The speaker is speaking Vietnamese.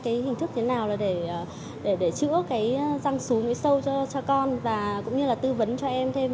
cái hình thức thế nào là để để để chữa cái răng xú mũi sâu cho cho con và cũng như là tư vấn cho em thêm